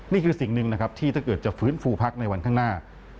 นี่คือสิ่งหนึ่งนะครับที่ถ้าเกิดจะฟื้นฟูพักในวันข้างหน้า